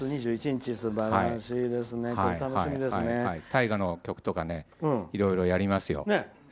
大河の曲とかいろいろやりますよ。